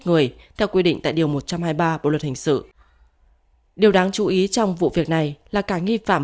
người theo quy định tại điều một trăm hai mươi ba bộ luật hình sự điều đáng chú ý trong vụ việc này là cả nghi phạm